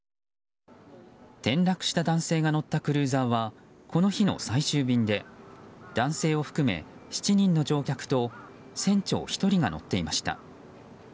転落した男性が乗ったクルーザーはこの日の最終便で、男性を含め７人の乗客と船長１人が乗っていました。